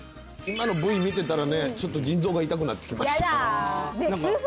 今のＶ見てたらねちょっと腎臓が痛くなってきましたやだねえ